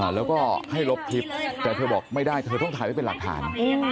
แล้วก็ให้ลบคลิปแต่เธอบอกไม่ได้เธอต้องถ่ายไว้เป็นหลักฐาน